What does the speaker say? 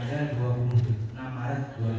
sembilan ratus tiga puluh tujuh ya tambah tiga puluh tadi